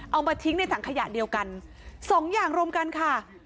เอามาทิ้งในถังขยะเดียวกันสองอย่างรวมกันค่ะ